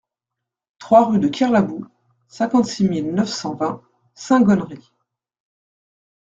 trois rue de Kerlaboux, cinquante-six mille neuf cent vingt Saint-Gonnery